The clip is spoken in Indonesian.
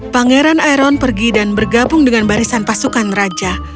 pangeran aeron pergi dan bergabung dengan barisan pasukan raja